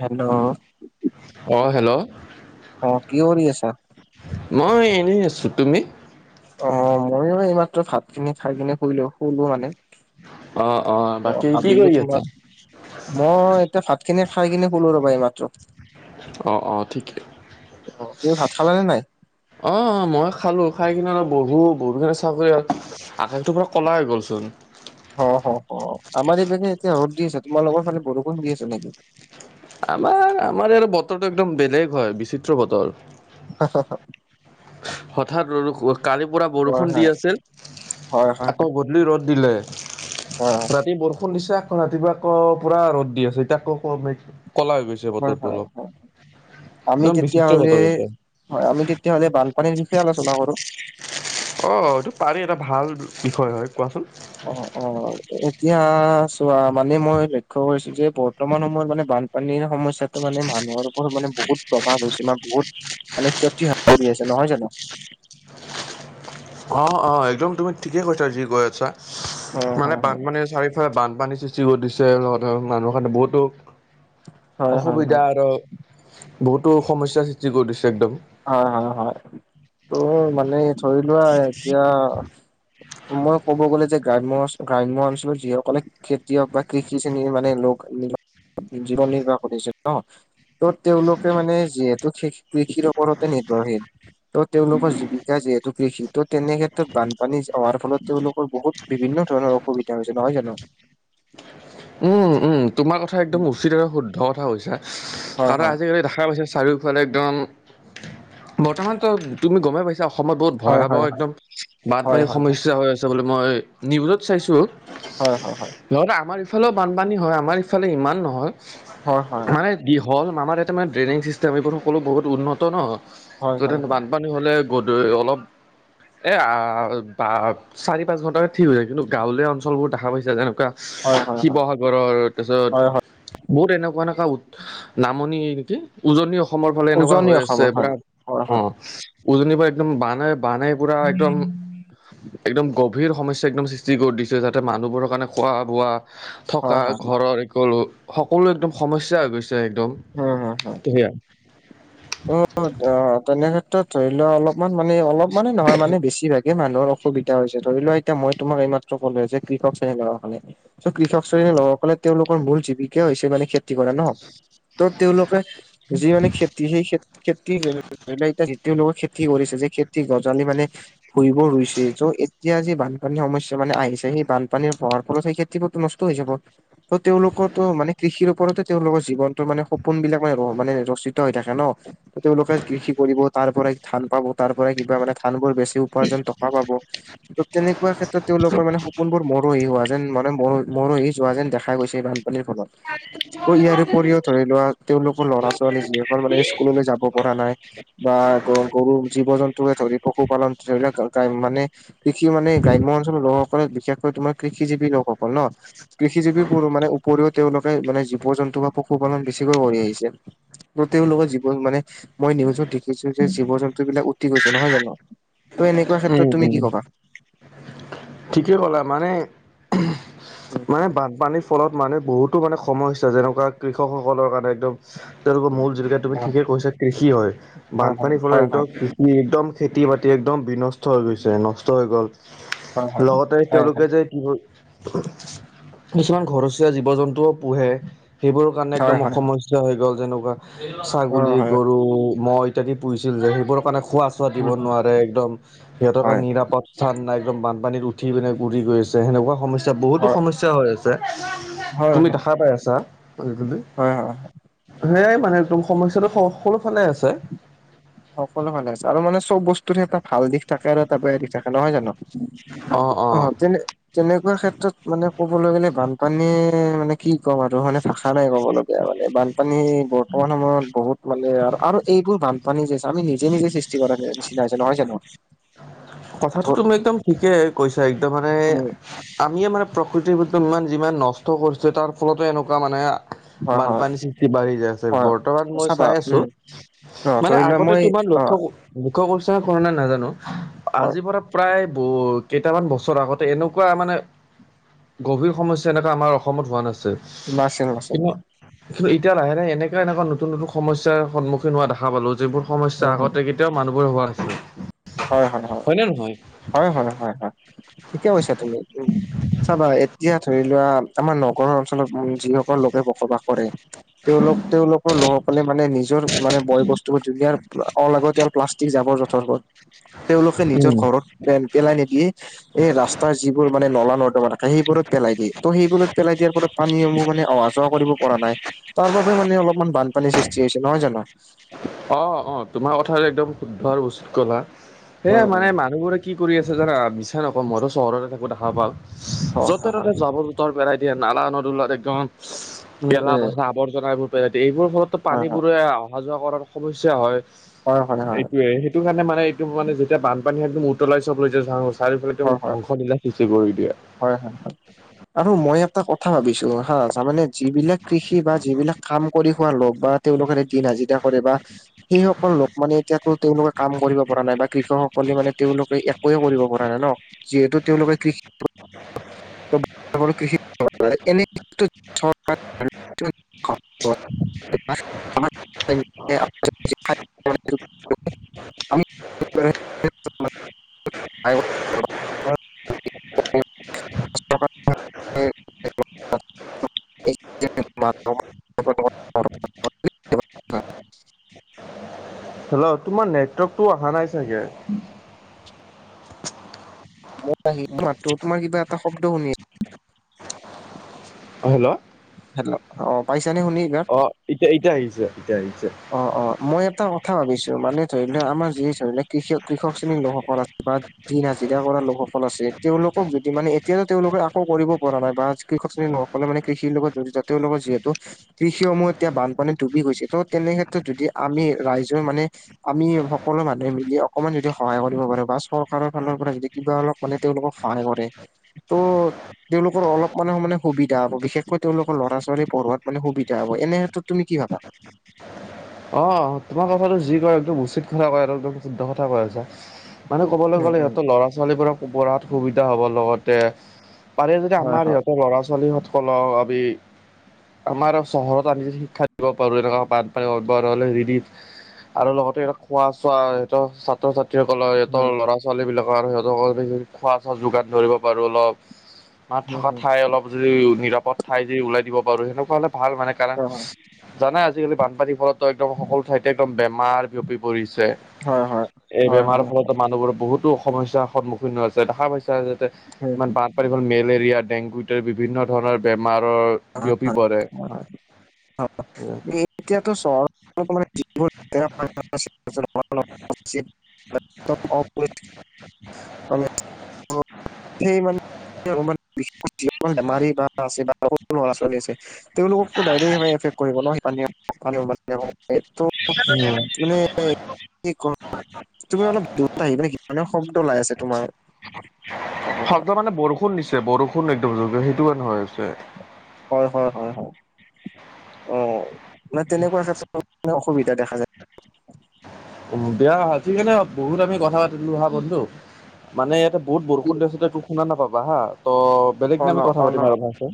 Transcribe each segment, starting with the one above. Hello অঁ' hello অঁ' কি কৰি আছাঁ? মই এনেই আছোঁ, তুমি? অঁ' ময়ো এইমাত্ৰ ভাত খিনি খাই কিনে শুইলো শুলো মানে। অঁ' অঁ' অ বাকী কি ভাবিলো কৰি তোমাক আছাঁ? মই এতিয়া ভাত খিনি খাই কিনে হোলো ৰবা এই মাত্ৰ। অঁ' অঁ' ঠিকেই। অ তুমি ভাত খালানে নাই? অঁ' অঁ' মই খালোঁ। খাই কিনে অলপ বহো বহিয়ে এ চাগৈ আ- আকাশটো পুৰা ক'লা হৈ গ'লচোন! অ' হ হ আমাৰ এইপিনে এতিয়া ৰদ দি আছে, তোমালোকৰ ফালে বৰষুণ দি আছে নেকি? আমাৰ আমাৰ এই বতৰটো একদম বেলেগ হয় বিচিত্ৰ বতৰ। হা, হা, হা! হঠাৎ ৰ ল কালিৰ পৰা হয় বৰষুণ দি আছিল। হয় হয় আকৌ বত। নি ৰ'দ দিলে। হয় হয়। ৰাতি বৰষুণ দিছে আকৌ ৰাতিপুৱা আকৌ পুৰা ৰ'দ দি আছে। এতিয়া ক ক ন। ক'লা হৈ গৈছে হয় বতৰটো হয় অলপ হয় আমি একদম বেছিকে তেতিয়াহ'লে বতৰ হৈ গৈছে। হয় আমি তেতিয়া হ'লে বানপানীৰ বিষয়ে আলোচনা কৰো। অ', এইটো পাৰি এটা ভাল বিষয় হয় কোৱাচোন? অ, 'অ', এতিয়া, চোৱা মানে মই লক্ষ্য কৰিছো যে বৰ্তমান সময়ত মানে বান। পানীৰ সমস্যাটো মানে মানুহৰ ওপৰত মানে বহুত প্ৰভাৱ হৈছে ন বহুত। মানে ক্ষতি হয় আছে নহয় জানো? অ', অ', একদম তুমি ঠিকে কৈছা যি কৈ আছা। অ। মানে হয়, হয়, বানপানীৰ চাৰিওফালে বানপানীৰ সৃষ্টি কৰি দিছে ধৰ, মানুহৰ কাৰণে বহুতো। হয়, হয়, হয়। অসুবিধা আৰু বহুতো সমস্যাৰ সৃষ্টি কৰি দিছে একদম। হয় হয় হয় তোৰ মানে ধৰি লোৱা এতিয়া। মই ক'ব গ'লে যে গ্ৰাম্য গাম্য অঞ্চলত যিসকলে। খেতিয়ক বা কৃষি শ্ৰেণীৰ মানে লোক জীৱন নিৰ্বাহ কৰিছে ন। ত তেওঁলোকে মানে যিহেতু কৃষিৰ ওপৰতে নিৰ্ভৰশীল। ত তেওঁলোকৰ জীৱিকা যিহেতু কৃষি ত তেনে ক্ষেত্ৰত বানপানী হোৱাৰ ফলত তেওঁলোকৰ বহুত। বিভিন্ন ধৰণৰ অসুবিধা হৈছে নহয় জানো। উম উম তোমাৰ কথা একদম উচিত আৰু শুদ্ধ কথা কৈছা হয় হয় আজিকালি দেখা পাইছা। চাৰিওফালে একদম বৰ্তমান ত তুমি গমেই পাইছা। অসমত বহুত ভয়াৱহ হয় হয় একদম বা ন হয় হয় পানীসমস্যা হৈ আছে। চাবলৈ মই নিউজত চাইছোঁ। হয় হয় হয়। আমাৰ ইফালেও বানপানী হয় আমাৰ ইফালে ইমান নহয়, হয় হয় মানে। দি হ'ল আমাৰ এটা মানে ড্ৰেইনেজ চিষ্টেম এইবোৰ সকলো বহুত উন্নত ন। হয় হয় বানপানী হ'লে গধূ অলপ এ আ ভা প। চাৰি পাঁচ ঘণ্টাকৈ ঠিক হৈছে। কিন্তু গাঁৱলীয়া অঞ্চলবোৰ দেখা পাইছে যেনেকুৱা। হয় হয় হয় হয় হয় শিৱসাগৰৰ হয় হয় তাৰপিছত বহুত এনেকুৱা এনেকুৱা উ নামনি নেকি? উজনি অসমৰ ফালে এনেকুৱা উজনি হৈ আছে অসমৰ হয় পুৰা হয় অ হয় উজনিৰ পৰা একদম বা নে বানে। পূৰা একদম। একদম গভীৰ সমস্যা একদম সৃষ্টি কৰি দিছে। যাতে মানুহবোৰৰ কাৰণে খোৱা বোৱা। থকা হয় ঘৰৰ একলো সকলো একদম সমস্যা হৈ গৈছে একদম। কেতিয়া? অ অ তেনে ক্ষেত্ৰত ধৰি লোৱা অলপমান মানে অলপ মানে নহয় মানে বেছি ভাগ। এ মানুহৰ অসুবিধা হৈছে ধৰিলোৱা এতিয়া মই তোমাক এই মাত্ৰ কলো যে কৃষক চাই লোৱা সেইকাৰণে। চ' কৃষক শ্ৰেণীৰ লোগসকলে তেওঁলোকৰ মূল জীৱিকাই হৈছে মানে খেতি কৰা ন। ত তেওঁলোকে যি মানে খেতি সেই খে। খেতি হে ধৰি লোৱা এতিয়া তেওঁলোকে খেতি কৰিছে যে খেতি গজালি মানে। ভূইবোৰ ৰুইছে চ এতিয়া যি বানপানীৰ সমস্যা মানে আহিছে সেই বানপানীৰ হোৱাৰ ফলত সেই। খেতি পথটো নষ্ট হৈ যাব ত তেওঁলোকোৰটো মানে কৃষিৰ ওপৰতে তেওঁলোকৰ জীৱন। ত মানে সপোন বিলাক মানে ৰ মানে ৰচিত হৈ থাকে ন। তেওঁলোকে কৃষি কৰিব তাৰ পৰাই ধান পাব তাৰ পৰাই কিবা মানে ধান বোৰ। বেছি উপাৰ্জন টকা পাব। ত তেনেকুৱা ক্ষেত্ৰত তেওঁলোকৰ মানে সপোন বোৰ মৰহি হোৱা যেন মানে মৰ। মৰহি যোৱা যেন দেখা গৈছে বানপানীৰ ফলত। আকৌ ইয়াৰ উপৰিও ধৰি লোৱা তেওঁলোকৰ ল'ৰা-ছোৱালী যিসকল মানে স্কুললৈ যাব পৰা নাই। বা গ-গৰু জীৱ-জন্তুকে ধৰি পশুপালন ধৰি লোৱা [unintelligible] মানে কৃষি মানে গ্ৰাম্য অঞ্চলৰ লোকসকলে বিশেষকৈ তোমাৰ কৃষিজীৱী লোকসকল ন। কৃষিজীৱী উপৰি মানে উপৰিও তেওঁলোকে মানে জীৱ-জন্তু বা পশুপালন বেছিকৈ কৰি আহিছে। ত' তেওঁলোকৰ জীৱন মানে মই নিউজত দেখিছোঁ যে জীৱ-জন্তুবিলাক উটি গৈছে নহয় জানো। ত' এনেকুৱা উম ক্ষেত্ৰত তুমি উম কি ক'বা? ঠিকেই ক'লা মানে [unintelligible] মানে বানপানী ফলত মানে বহুতো মানে সমস্যা যেনেকুৱা কৃষকসকলৰ কাৰণে একদম তেওঁলোকৰ মূল জীৱিকা তুমি ঠিকে কৈছা কৃষি হয়। বানপানীৰ ফলত হয় হয় একদম হয় ই একদম খেতি-বাতি একদম বিনষ্ট হৈ গৈছে। নষ্ট হৈ গ'ল। হয় হয় লগতে হয় হয় তেওঁলোকে যে কি হয় [unintelligible] কিছুমান ঘৰচীয়া জীৱ-জন্তুও পোহে। সেইবোৰৰ কাৰণে হয় একদম হয় হয় হয় সমস্যা হৈ গ'ল যেনেকুৱা ছাগলী। হয় গৰু, ম'হ ইত্যাদি পুহিছিল যে সেইবোৰৰ কাৰণে খোৱা চোৱা দিব নোৱাৰে একদম সিহঁতৰ কাৰণে হয় হয় নিৰাপদ স্থান নাই একদম বানপানীৰো উঠি পিনে বূৰি গৈ আছে সেনেকুৱা সমস্যা যে বহুতো সমস্যা হৈ আছে। হয় হয় তুমি দেখাই পাই আছা আজিকালি। হয় হয় হয় সেয়াই মানে একদম সমস্যাটো সকলো ফালে আছে। সকলো ফালে আছে। আৰু মানে চব বস্তুৰে এটা ভাল দিশ থাকে আৰু এটা বেয়া দিশ থাক কে নহয় জানো। অ অঁ অ তেনে তেনেকুৱা ক্ষেত্ৰত মানে ক'বলৈ গ'লে বানপানীয়ে মানে কি ক'ম আৰু মানে ভাষা নাই ক'বলগীয়া মানে। বানপানী বৰ্তমান সময়ত বহুত মানে আৰ আৰু এইবোৰ বানপানী যে আমি নিজে-নিজে সৃ [unintelligible] কথাটো ধৰ তুমি একদম ঠিকেই কৈছা একদম মানে উম আমিয়ে মানে প্ৰকৃতিৰ বস্তু ইমান যিমান নষ্ট কৰিছো তাৰ ফলতে এনেকুৱা মানে হয় হয় বানপানী সৃষ্টি বাঢ়ি যায় আছে। হয় বৰ্তমান মই চাবা চাই আছোঁ উম অ মানে ধৰি লোৱা আগতে মই তোমাৰ অ লক্ষ্য-লক্ষ্য কৰিছা নে কৰা নাই নাজানো। হয় আজিৰ পৰা প্ৰায় ব কেইটামান বছৰ আগতে এনেকুৱা মানে গভীৰ সমস্যা এনেকুৱা আমাৰ অসমত হোৱা নাছিল। নাছিল-নাছিল। কিন্ত এতিয়া লাহে-লাহে এনেকুৱা-এনেকুৱা নতুন নতুন সমস্যাৰ সন্মুখীন হোৱা দেখা পালোঁ যিবোৰ সমস্যা আগতে কেতিয়াও মানুহবোৰৰ হোৱা নাছিল। হয়-হয়-হয়! হয়নে নহয় হয়-হয়-হয়-হয়, ঠিকে কৈছা। তুমি উম [unintelligible] চাবা এতিয়া ধৰি লোৱা আমাৰ নগৰৰ অঞ্চলত উম যিসকল লোকে বসবাস কৰে। তেওঁলোক তেওঁলোকৰ লোকসকলে মানে নিজৰ মানে বয়-বস্তুবোৰ দুনীয়াৰ অলাগতীয়াল প্লাষ্ট টিক জাবৰ-জোথৰবোৰ। তেওঁলোকে নিজৰ উম ঘৰত পে-পেলাই নিদিয়ে এই ৰাস্তাৰ যিবোৰ মানে নলা-নৰ্দমা থাকে সেইবোৰত পেলাই দিয়ে। ত' সেইবোৰত পেলাই দিয়াৰ ফলত পানীসমূহ মানে অহা যোৱা কৰিব পৰা নাই। তাৰ বাবে মানে অলপমান বানপানীৰ সৃষ্টি হৈছে নহয় জানো। অঁ-অঁ! তোমাৰ কথাটো একদম শুদ্ধ আৰু উচিত ক'লা। সেই উম মানে উম মানুহবোৰে কি কৰি আছে জানা মিছা নকওঁ মইতো চহৰতে থাকো দেখা পাওঁ। হয় হয় হয় য'তে-ততে জাবৰ জোথৰ পেলাই দিয়ে। নালা-নদলৱাত একদম উম উম গেলা-পচা আৱৰ্জনা এইবোৰ পেলই দিয়ে এইবোৰ ফলত পানীবোৰে অহাযোৱা কৰাৰ সমস্যা হয় হয় হয় হয় হয় হয় এইটোৱেই। এইটো কাৰণে মানে এইটো মানে যেতিয়া বানপানী একদম উতলাই চব লৈ যায়। [unintelligible] চাৰিওফালে তম হয় ধ্বংস দিলা সৃষ্টি কৰি দিয়া। হয়, হয়, হয়, আৰু মই এটা কথা ভাবিছো হা তাৰমানে যিবিলাক কৃষি বা যিবিলাক কাম কৰি খোৱা লগোক বা তেওঁওলোকেৰে দিন হাজিৰা কৰে বা সেইসকল লোক মানে এতিয়া তেওঁলোকে কাম কৰিব পৰা নাই বা কৃষকসকলে মানে তেওঁওলোকে একোৱয়ে কৰিব পৰা পৰানাই ন' যিহেতু তেওঁলোকে কৃষি [unintelligible] [unintelligible] [unintelligible] [unintelligible] হেল্ল' তোমাৰ নেটৱৰ্কতটো অহা নাই চাগে। মই মাতো তোমাৰ কিবা এটা শব্দ শুনি আছো। অঁ', হেল্ল'? হেল্ল অ', পাইছা নে শুনি? এইবাৰ? অ', এতিয়া এতিয়া আহিছে এতিয়া আহিছে। অ', অ', মই এটা কথা ভাবিছো মানে ধৰি লওক আমাৰ যি ধৰি লক কৃষ কৃষক শ্ৰেণীৰ লোকসকল আছে বা দিন হাজিৰা কৰা লোকসকল আছে তেওঁলোকক যদি মানে এতিয়াতো তেওঁলোকে আকৌ কৰিব পৰা নাই বা কৃষক শ্ৰণী নকলে মানে কৃষিৰ লগত জড়িত তেওঁলোকৰ যিহেতু কৃষিসমূহ এতিয়া বানপানীত ডুবি গৈছে ত' তেনে ক্ষেত্ৰত যদি আমি ৰাইজৰ মানে আমি সকলো মানুহে মিলি অকমান যদি সহায় কৰিব পাৰো বা চৰকাৰৰ ফালৰ পৰা যদি কিবা অলপ মানে তেওঁলোকক সহায় কৰে ত' তেওঁলোকৰ অলপ মানে মানে সুবিধা হ' বিশেষকৈ তেওঁলোকৰ ল'ৰা ছোৱালী পঢ়োৱাত মানে সুবিধা হব এনে ক্ষেত্ৰত তুমি কি ভাবা? অ', তোমাৰ কথাটো যি কয় একদম উচিত কথা কয় একদম শুদ্ধ কথা কৈ আছা। মানে ক'বলৈ উম গ'লে উম সিহঁতৰ ল'ৰা ছোৱালীবোৰক পঢ়াত সুবিধা হ'ব লগতে পাৰে যদি হয় আমাৰ হয়। সিহঁতৰ ল'ৰা ছোৱালী কও আমি আমাৰ চহৰত আনি শিক্ষা দিব পাৰো এনেকুৱা বান পানি লে হেৰি আৰু লগতে সহত খোৱা-চোৱা সিহতৰ ছাত্ৰ ছাত্ৰীসকলৰ সিহঁতৰ উম, ল'ৰা ছ ছোৱালী বিলাকৰ আৰু সিহঁতক খোৱা-চোৱা যোগান ধৰি পাৰো অলপ উম, থকা উম। ঠাই অলপ যদি নিৰাপদ ঠাই যদি ওলাই দিব পাৰো সেনেকুৱা হলে ভাল মানে কাৰণ হয় জানাই আজিকালি বানপানীৰ ফলতো একদম সকলো ঠাইতে একদম বেমাৰ বিয়পি পৰিছে। হয় এই হয় বেমাৰৰ হয় ফলত মানুহবোৰ বহুতো সমস্যাৰ সন্মুখীন হৈ আছে দেখা পাইছ যাতে উম, ইমান উম। বান পানি হল মেলেৰিয়া, ডেংগু ইত বিভিন্ন ধৰণৰ বেমাৰৰ বিয়পি পৰে। হয়, এতিয়াতো চৰ [unintelligible] আ [unintelligible] সেই বেমাৰী বা আছে বা সৰু ল'ৰা-ছোৱালী আছে তেওঁলোককো আফেক কৰিব ন' সই পানীয়ে। [unintelligible] [unintelligible] তুমি অলপত দৰত আহিবা নেকি মানে শব্দ ওলাই আছে তোমাৰ। বু নিছে বৰষুণ একদম সেইটোৱে কাৰণে হৈ আছে। হয়, হয়, হয়, হয়, অ', মানে তেনেকুৱা ক্ষেত্ৰতে অসুবিধা দেখা যায়। দিয়া আজি কাৰণে বহুত আমি কথা পাতিলোহা বন্ধু। মানে ইয়াতে বহুত কি বৰষুণ দি আছে তোক শুনা নাপাবা হা ত' বেলেগ অ দিনা ন আমি কথা অ ন পাতিম আৰু ভালছে,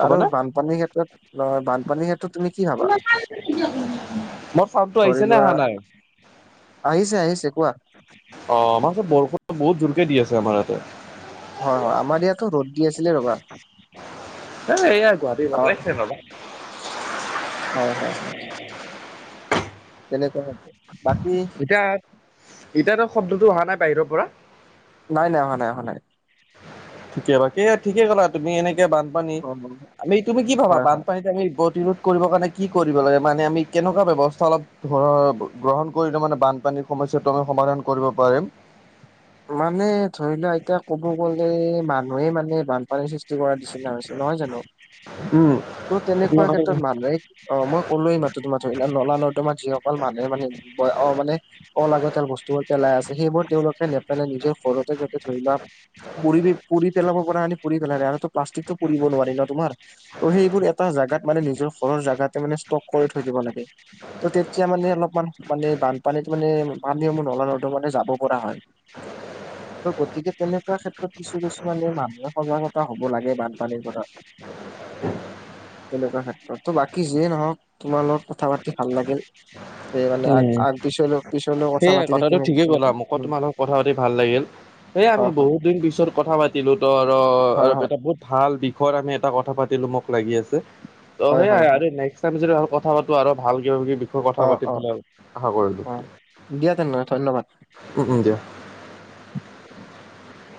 হ'বনে? পানীৰ ক্ষেত্ৰত বানপানীৰ ক্ষেত্ৰত- তুমি কি ভাবা [unintelligible] ধৰি নে লোৱা, আহা নাই? আহিছে আহিছে কোৱা? অঁ, আমাৰ ঘৰত বৰষুণ বহুত জোৰকে দি আছে আমাৰ ইয়াতে। হয়, হয় আমাৰ ইয়াতো ৰ'দ দি আছিলে ৰবা। এ এয়া অ গুৱাহাটীৰ [unintelligible] হয়, হয়, হয়। কেলে তাহাঁতৰ? এতিয়া এতিয়াতো শব্দটো অহা নাই বাহিৰৰ পৰা। নাই নাই, অহা নাই, অহা নাই। ঠিকে, বাকী ঠিকে ক'লা তুমি এনেকে বান- পানী, অ আমি তুমি কি ভাবা হয় হয় বানপানীত আমি প্ৰতিৰোধ- কৰিব কাৰণে কি কৰিব লাগে মানে আমি কেনেকুৱা ব্যৱস্থা অলপ ধৰ গ্ৰহণ কৰিলে মানে বানপানী- সমস্যাটো আমি সমাধান কৰিব পাৰিম? মানে ধৰি লোৱা এতিয়া ক'ব গ'লে মানুহে মানে বানপানীৰ সৃষ্টি- কৰা নিচিনা হৈছে, নহয় জানো? উম ত তোমাৰ তেনেকুৱা কথা ক্ষেত্ৰত মানুহ- অঁ, মই কলো এই মাত্ৰ তোমাৰ ধৰিলোৱা নলা নৰ্দমাত তোমাৰ যিসকল মানুহে মানে- অঁ, মানে অলাগতীয়াল বস্তুবোৰ পেলাই আছে। সেইবোৰ তেওঁলোকে- নেপেলাই। নিজে ঘৰতে যাতে ধৰি লোৱা- পুৰি পুৰি পেলাব পৰাখিনি পুৰি পেলালে আৰুতো প্লাষ্টিকটো পুৰিব নোৱাৰি ন তোমাৰ। ত' সেইবোৰ এটা জেগাত মানে নিজৰ ঘৰৰ জেগাতে মানে ষ্টক কৰি থৈ দিব লাগে। ত তেতিয়া মানে অলপমান মানে বানপানীত মানে পানী সমূহ নলা নৰ্দমালৈ মানে যাব পৰা হয়। [inaudible] ত' গতিকে তেনেকুৱা ক্ষেত্ৰত কিছু কিছুমানে মানুহে সজাগতা হ'ব লাগে বানপানীৰ পৰা। [inaudible] তেনেকুৱা ক্ষেত্ৰত, ত বাকী যিয়ে নহওঁক তোমাৰ লগত কথা পাতি ভাল লাগিল। এই উম [unintelligible] সেইয়াই কথাটো ঠিকে কলা, মুঠত তোমাৰ লগত- কথা পাতি ভাল লাগিল। সেই আমি হয় হয় বহুত দিন পিছত কথা পাতিলো তো আৰু আৰু হয় হয় এটা বহুত- ভাল বিষয়ত আমি এটা কথা পাতিলো মোক লাগি আছে। ত, হয় সেইয়াই হয় আৰু হয় নেক্স- টাইম যদি আৰু কথা পাতো আৰু ভাল কিবাকিবি বিষয়ে কথা অ পাতিম অ বুলি আশা কৰিলোঁ। অ দিয়া তেনেহলে ধন্যবাদ। উম, উম দিয়া।